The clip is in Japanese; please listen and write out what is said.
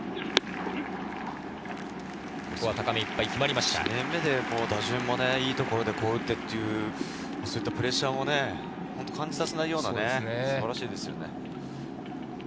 １年目で打順もいいところで打ってというプレッシャーも感じさせないような素晴らしい成績です。